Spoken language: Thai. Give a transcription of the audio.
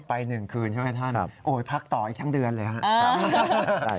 ๑คืนใช่ไหมท่านโอ้ยพักต่ออีกทั้งเดือนเลยครับ